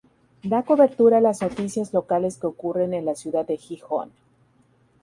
Da cobertura a las noticias locales que ocurren en la ciudad de Gijón.